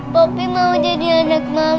bopi mau jadi anak mama